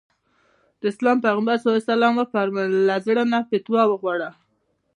د اسلام پيغمبر ص وفرمايل له زړه نه فتوا وغواړه.